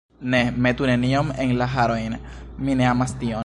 Ne, metu nenion en la harojn, mi ne amas tion.